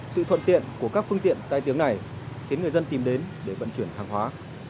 sự thuận tiện của các phương tiện tai tiếng này khiến người dân tìm đến để vận chuyển hàng hóa